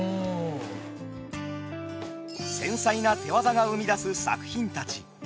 繊細な手業が生み出す作品たち。